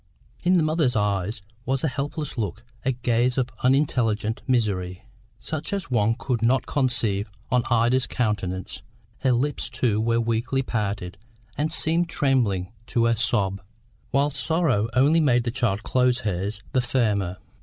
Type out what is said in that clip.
In the mother's eyes was a helpless look, a gaze of unintelligent misery, such as one could not conceive on Ida's countenance; her lips, too, were weakly parted, and seemed trembling to a sob, whilst sorrow only made the child close hers the firmer.